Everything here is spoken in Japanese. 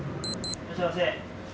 いらっしゃいませ。